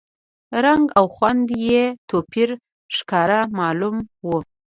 رنګ او خوند کې یې توپیر ښکاره معلوم و.